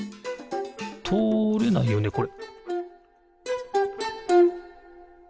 とおれないよねこれ？